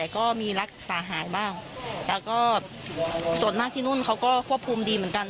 ก็มีรักษาหายบ้างแล้วก็ส่วนหน้าที่นู่นเขาก็ควบคุมดีเหมือนกัน